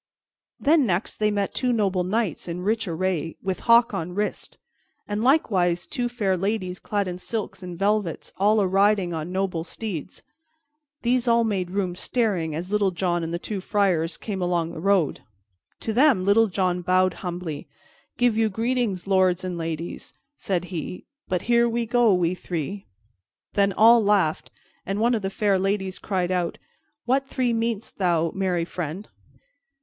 Then next they met two noble knights in rich array, with hawk on wrist, and likewise two fair ladies clad in silks and velvets, all a riding on noble steeds. These all made room, staring, as Little John and the two friars came along the road. To them Little John bowed humbly. "Give you greetings, lords and ladies," said he. "But here we go, we three." Then all laughed, and one of the fair ladies cried out, "What three meanest thou, merry friend?"